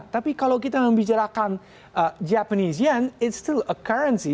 tapi kalau kita membicarakan japanese yen it's still a currency